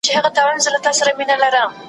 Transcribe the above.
خو په كور كي د شيطان لكه زمرى وو ,